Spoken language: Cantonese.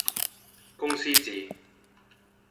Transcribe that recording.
公司治